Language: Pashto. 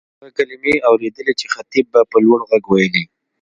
هغه کلیمې اورېدلې چې خطیب به په لوړ غږ وېلې.